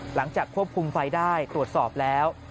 หลังจากควบคุมไฟได้ตรวจสอบแล้ว